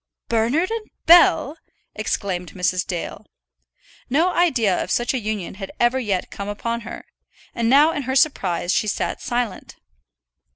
"Bernard and Bell!" exclaimed Mrs. Dale. No idea of such a union had ever yet come upon her, and now in her surprise she sat silent.